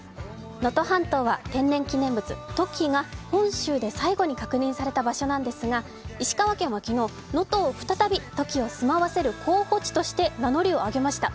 能登半島は天然記念物、トキが本州で最後に確認された場所なんですが、石川県は昨日、能登を再びトキを住ませる候補地として名乗りを上げました。